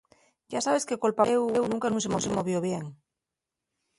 Yá sabes que col papeléu nunca nun se movió bien.